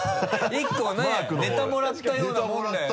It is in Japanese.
１個ねネタもらったようなもんだよね。